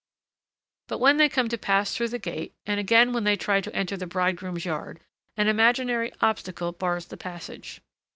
But when they come to pass through the gate, and again when they try to enter the bridegroom's yard, an imaginary obstacle bars the passage.